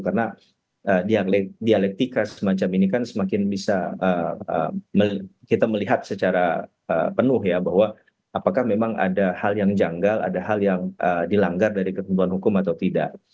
karena dialektika semacam ini kan semakin bisa kita melihat secara penuh ya bahwa apakah memang ada hal yang janggal ada hal yang dilanggar dari ketentuan hukum atau tidak